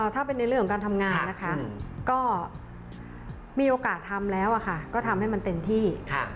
ถ้าเป็นในเรื่องของการทำงานนะคะก็มีโอกาสทำแล้วก็ทำให้มันเต็มที่